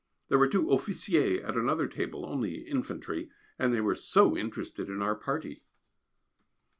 There were two officiers at another table (only infantry), and they were so interested in our party.